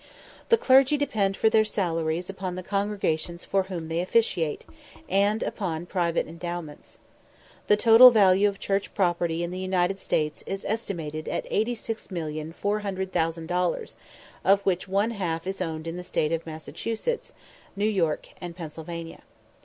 The clergy depend for their salaries upon the congregations for whom they officiate, and upon private endowments. The total value of church property in the United States is estimated at 86,416,639 dollars, of which one half is owned in the States of Massachusetts, New York, and Pennsylvania.